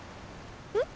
うん？